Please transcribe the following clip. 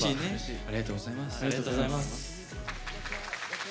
ありがとうございます。